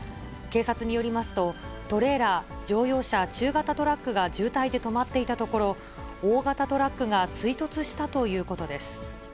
警察によりますと、トレーラー、乗用車、中型トラックが渋滞で止まっていたところ、大型トラックが追突したということです。